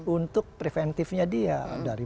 untuk preventifnya dia dari